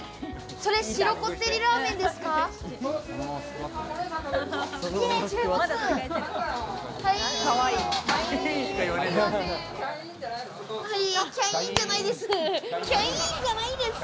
それ、白こってりらーめんですか？